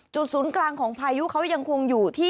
ศูนย์กลางของพายุเขายังคงอยู่ที่